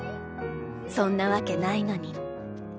そんなわけないのに。